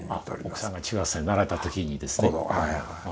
お子さんが中学生になられたときにですね。